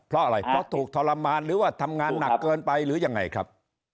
เพราะอะไรเพราะถูกทรมานหรือว่าทำงานหนักเกินไปหรือยังไงครับ